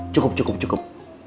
cukup cukup cukup